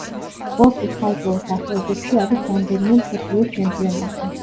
სპორტის ცალკეულ სახეობებში არის რამდენიმე მსოფლიოს ჩემპიონატი.